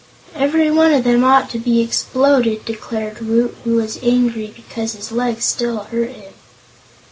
"Every one of them ought to be exploded," declared Woot, who was angry because his leg still hurt him.